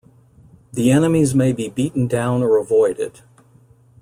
The enemies may be beaten down or avoided.